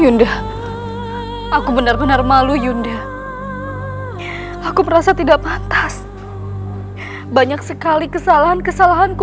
yunda aku benar benar malu yunda aku merasa tidak patah banyak sekali kesalahan kesalahanku